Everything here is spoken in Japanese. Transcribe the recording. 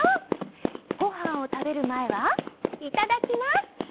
ごはんをたべるまえはいただきます！